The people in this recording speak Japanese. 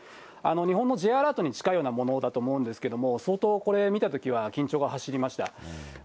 日本のＪアラートに近いものだと思うんですけれども、相当、これ見たときは、緊張が走りました。